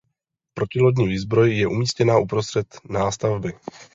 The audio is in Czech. Protilodní výzbroj je umístěna uprostřed nástavby.